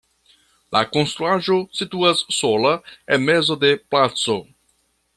La konstruaĵo situas sola en mezo de placo.